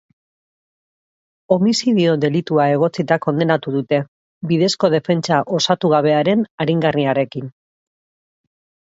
Homizidio-delitua egotzita kondenatu dute, bidezko defentsa osatugabearen aringarriarekin.